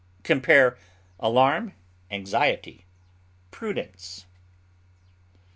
Compare ALARM; ANXIETY; PRUDENCE.